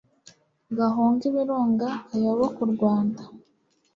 gahunge ibirunga kayoboke u rwanda